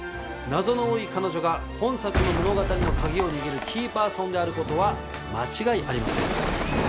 謎の多い彼女が本作の物語の鍵を握るキーパーソンであることは間違いありません。